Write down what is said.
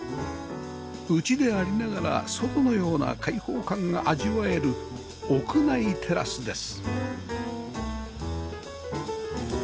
内でありながら外のような開放感が味わえる屋内テラスです